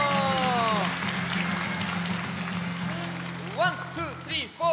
ワンツースリーフォー。